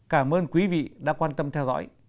cảm ơn quý vị đã quan tâm theo dõi